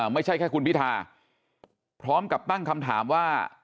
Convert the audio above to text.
ไม่ใช่แค่คุณพิธาพร้อมกับตั้งคำถามว่า